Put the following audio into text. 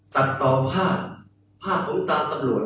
ตัดต่อภาพภาพผมตามตตับรวจ